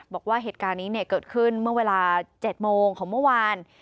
บอกว่าเหตุการณ์นี้เกิดขึ้นเมื่อเวลา๗โมงของเมื่อวาน